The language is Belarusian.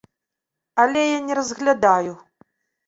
Але я не разглядаю.